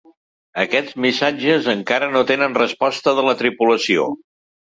Aquests missatges encara no tenen resposta de la tripulació.